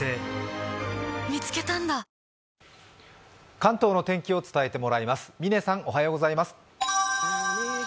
関東の天気を伝えてもらいます。